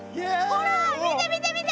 ほら見て見て見て！